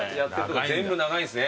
全部長いんですね。